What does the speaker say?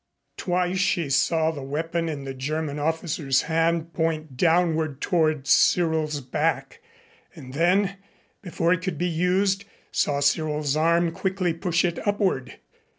Twice she saw the weapon in the German officer's hand point downward toward Cyril's back and then, before it could be used, saw Cyril's arm quickly push it upward.